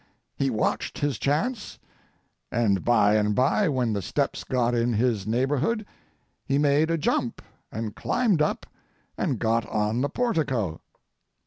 He watched his chance, and by and by when the steps got in his neighborhood he made a jump and climbed up and got on the portico.